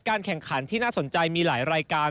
แข่งขันที่น่าสนใจมีหลายรายการ